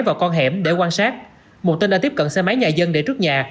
vào con hẻm để quan sát một tên đã tiếp cận xe máy nhà dân để trước nhà